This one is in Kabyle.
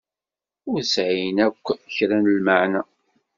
Ur sɛin akk kra n lmeɛna.